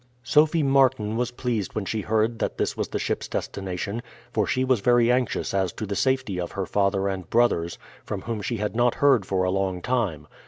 Sophie Martin was pleased when she heard that this was the ship's destination; for she was very anxious as to the safety of her father and brothers, from whom she had not heard for a long time.